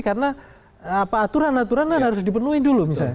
karena aturan aturan harus dipenuhi dulu